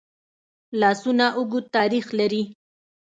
لاسونه اوږد تاریخ لري